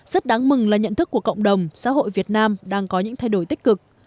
rất đáng mừng là nhận thức của cộng đồng xã hội việt nam đang có những thay đổi tích cực